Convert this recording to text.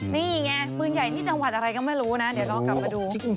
นี่ไงปืนใหญ่ที่จังหวัดอะไรก็ไม่รู้นะ